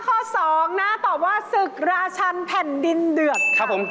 ตอบแล้วนะคะข้อ๒นะตอบว่าศึกราชันแผ่นดินเดือดครับ